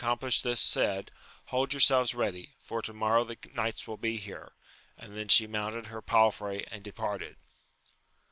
235 plished this, said, Hold yourselves ready, for to morroTV the knights will be here. And then she mounted her palfrey, and departed.